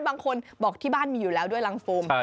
บางคนบอกที่บ้านมีอยู่แล้วด้วยรังโฟม